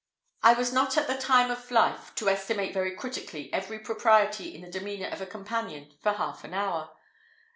I was not at the time of life to estimate very critically every propriety in the demeanour of a companion for half an hour.